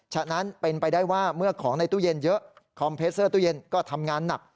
ฉะนั้นเป็นไปได้ว่าเมื่อของในตู้เย็นเยอะคอมเพสเตอร์ตู้เย็นก็ทำงานหนัก